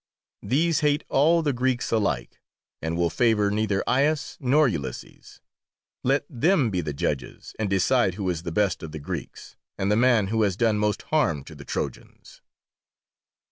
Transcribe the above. These hate all the Greeks alike, and will favour neither Aias nor Ulysses. Let them be the judges, and decide who is the best of the Greeks, and the man who has done most harm to the Trojans."